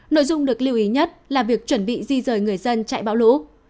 nội dung được lưu ý nhất là việc chuẩn bị di rời người dân chạy bão lũ